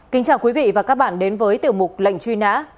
kính chào quý vị và các bạn đến với tiểu mục lệnh truy nã